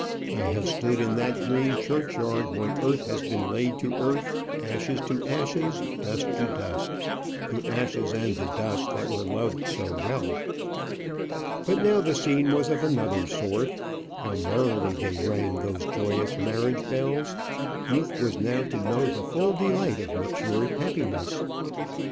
I have stood in that green churchyard when earth has been laid to earth, ashes to ashes, dust to dust the ashes and the dust that were loved so well. But now the scene was of another sort. How merrily they rang, those joyous marriage bells! Youth was now to know the full delight of matured happiness.